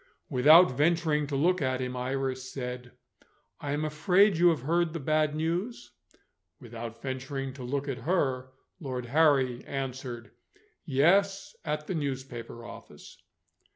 Without venturing to look at him, Iris said: "I am afraid you have heard bad news?" Without venturing to look at her, Lord Harry answered: "Yes, at the newspaper office."